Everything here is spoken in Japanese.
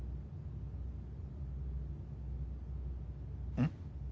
うん？